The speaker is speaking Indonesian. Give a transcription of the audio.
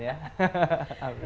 nah kalau kita bisa